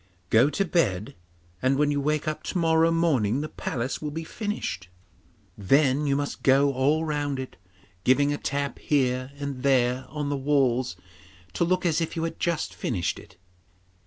Go to bed, and when you wake up to morrow morning the palace will be finished. Then you must go all round it, giving a tap here and there on the walls to look as if you had just finished it.